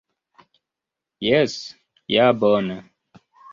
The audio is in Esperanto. Jes, ja bone!